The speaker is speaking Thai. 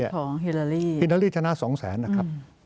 ฮิลาลีชนะ๒๐๐๐๐๐นะครับ